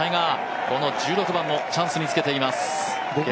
この１６番もチャンスにつけています。